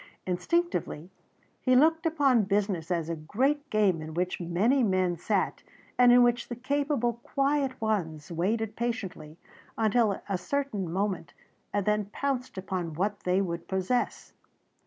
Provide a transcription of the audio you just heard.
Instinctively he looked upon business as a great game in which many men sat, and in which the capable, quiet ones waited patiently until a certain moment and then pounced upon what they would possess.